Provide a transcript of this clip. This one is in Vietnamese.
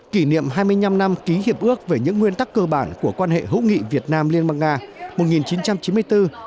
kỷ niệm hai mươi năm năm ký hiệp ước về những nguyên tắc cơ bản của quan hệ hữu nghị việt nam liên bang nga